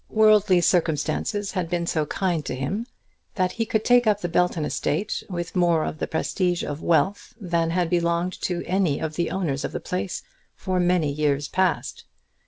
Worldly circumstances had been so kind to him, that he could take up the Belton estate with more of the prestige of wealth than had belonged to any of the owners of the place for many years past.